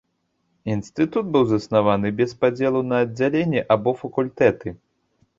Інстытут быў заснаваны без падзелу на аддзяленні або факультэты.